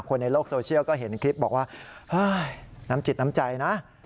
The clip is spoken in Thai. คนในโลกโซเชียลก็เห็นคลิปบอกว่าเฮ้ยน้ำจิตน้ำใจนะ